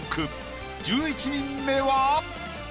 １１人目は？